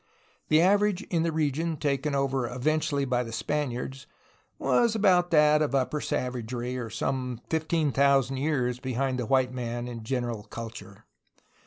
The average in the region taken over eventually by the Spaniards was about that of upper savagery, or some 15,000 years behind the white man in general culture.